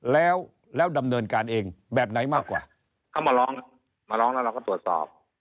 แล้วดำเนินการเองแบบไหนมากกว่าเขามาร้องมาร้องแล้วเราก็ตรวจสอบ